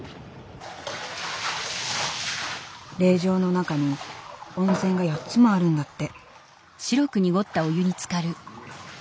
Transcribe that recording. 霊場の中に温泉が４つもあるんだって。